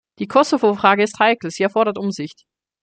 Die Kosovo-Frage ist heikel, sie erfordert Umsicht.